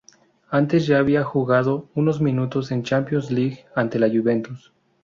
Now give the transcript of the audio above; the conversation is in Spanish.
Antes ya había jugado unos minutos en Champions League ante la Juventus.